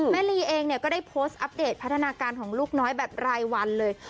ลีเองเนี่ยก็ได้โพสต์อัปเดตพัฒนาการของลูกน้อยแบบรายวันเลย